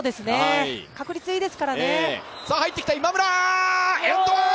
確率いいですからね。